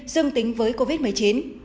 dương tính với covid một mươi chín